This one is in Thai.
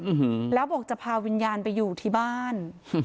แล้วบอกจะพาวิญญาณไปอยู่ที่บ้าน